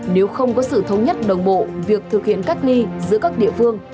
nếu không có sự thống nhất đồng bộ việc thực hiện cách ly giữa các địa phương